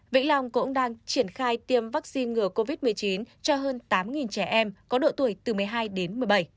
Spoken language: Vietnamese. vĩnh long cũng đang triển khai tiêm vaccine ngừa covid một mươi chín cho hơn tám trẻ em có độ tuổi từ một mươi hai đến một mươi bảy